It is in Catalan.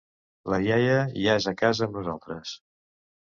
La iaia ja és a casa amb nosaltres.